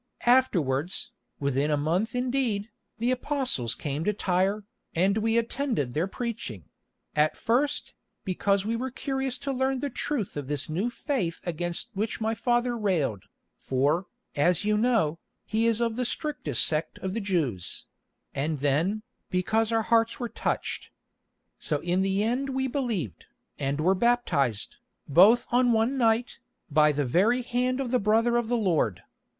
Afterwards, within a month indeed, the Apostles came to Tyre, and we attended their preaching—at first, because we were curious to learn the truth of this new faith against which my father railed, for, as you know, he is of the strictest sect of the Jews; and then, because our hearts were touched. So in the end we believed, and were baptised, both on one night, by the very hand of the brother of the Lord.